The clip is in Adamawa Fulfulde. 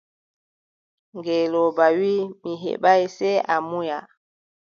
Ngelooba wii: mi heɓaay, sey a munya.